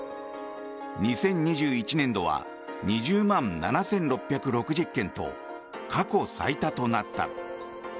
２０２１年度は２０万７６６０件と過去最多となった。